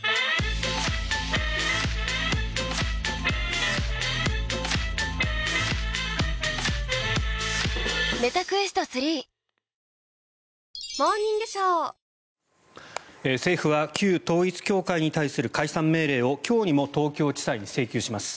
ペイトク政府は旧統一教会に対する解散命令を今日にも東京地裁に請求します。